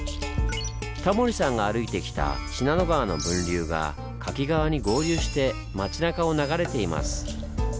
タモリさんが歩いてきた信濃川の分流が柿川に合流して町なかを流れています。